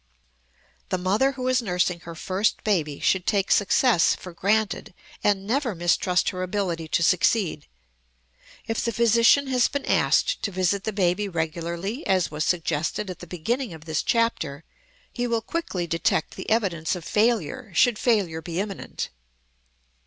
The mother who is nursing her first baby should take success for granted, and never mistrust her ability to succeed. If the physician has been asked to visit the baby regularly, as was suggested at the beginning of this chapter, he will quickly detect the evidence of failure should failure be imminent.